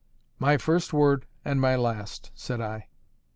"My first word, and my last," said I.